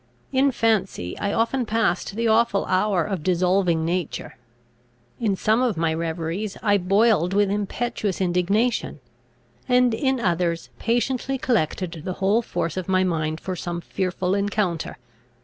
In fancy I often passed the awful hour of dissolving nature. In some of my reveries I boiled with impetuous indignation, and in others patiently collected the whole force of my mind for some fearful encounter.